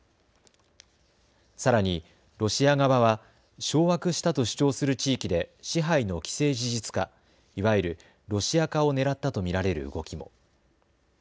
さらにロシア側は掌握したと主張する地域で支配の既成事実化、いわゆるロシア化をねらったと見られる動きも。